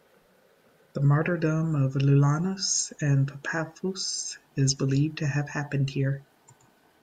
The martyrdom of Lulianos and Paphos is believed to have happened here.